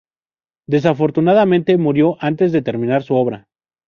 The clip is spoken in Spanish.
Desafortunadamente murió antes de terminar su obra.